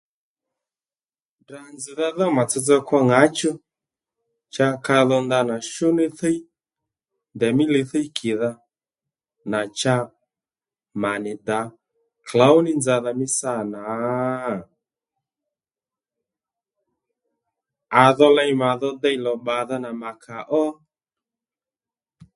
Ddrà nzz̀dha dhó mà tsotso kwo ŋǎchú cha ka dho ndanà shú ní thíy ndèymí li thíy kìdha nà cha mà nì dǎ klǒw ní nzadha mí sâ nà? À dho ley mà dho dey lò bbàdha nà mà kàó